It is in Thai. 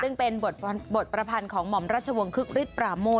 ซึ่งเป็นบทประพันธ์ของหม่อมรัชวงษ์ค๑๙๘๘คึกฤตประโมนนะคะ